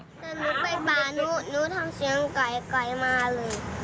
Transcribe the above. เมื่อเราไปป่านู้นนู้นทำเสียงไก่ไก่มาเลย